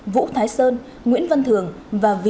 vũ thái sơn nguyễn văn thường và v